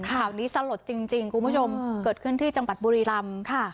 ข่าวนี้สลดจริงคุณผู้ชมเกิดขึ้นที่จังหวัดบุรีรำ